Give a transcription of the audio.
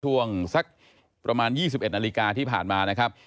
ช่วงสักประมาณ๒๑นาฬิกาที่ผ่านมานะครับ